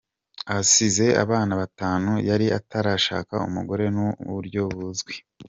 Asize abana batanu, yari atarashaka umugore mu buryo buzwi.